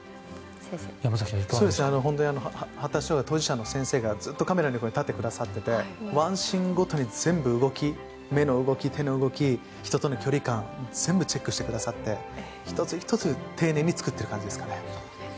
発達障害当事者の先生がずっとカメラに立ってくださっていてワンシーンごとに全部動き目の動き、手の動き人との距離感全部チェックしてくださって１つ１つ丁寧に作ってる感じです。